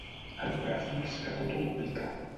El prefix que tot ho duplica.